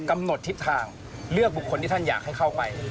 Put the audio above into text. กำหนดทิศทางเลือกบุคคลที่ท่านอยากให้เข้าไป